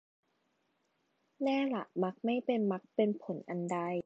แน่ล่ะมักไม่เป็นมรรคเป็นผลอันใด